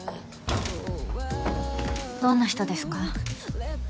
どんな人ですか？